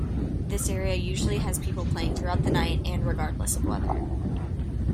This area usually has people playing throughout the night and regardless of weather.